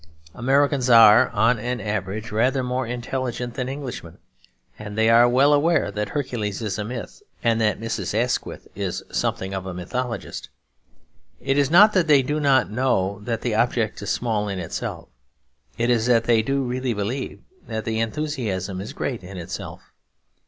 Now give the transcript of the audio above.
Americans are, on an average, rather more intelligent than Englishmen; and they are well aware that Hercules is a myth and that Mrs. Asquith is something of a mythologist. It is not that they do not know that the object is small in itself; it is that they do really believe that the enthusiasm is great in itself.